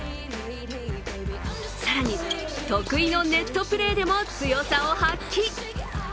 更に、得意のネットプレーでも強さを発揮。